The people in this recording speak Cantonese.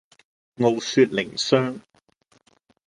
傲雪淩霜